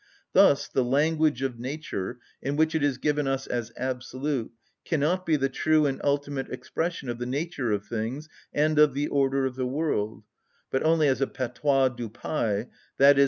Thus the language of nature, in which it is given us as absolute, cannot be the true and ultimate expression of the nature of things and of the order of the world, but indeed only a patois du pays, _i.e.